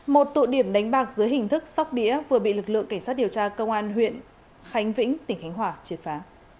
một tụ điểm đánh bạc dưới hình thức sóc đĩa vừa bị lực lượng cảnh sát điều tra công an huyện khánh vĩnh tỉnh khánh hòa triệt phá